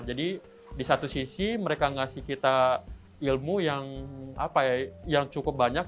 jadi di satu sisi mereka ngasih kita ilmu yang cukup banyak